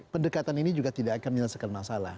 pendekatan ini juga tidak akan menyelesaikan masalah